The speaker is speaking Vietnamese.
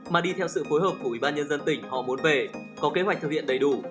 mà đi theo sự phối hợp của ubnd tỉnh họ muốn về có kế hoạch thực hiện đầy đủ